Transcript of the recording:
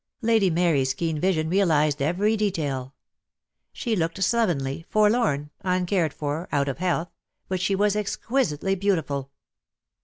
Lady Mary's keen vision realised every detail. She looked slovenly, forlorn, uncared for, out of health, but she was exquisitely beautiful.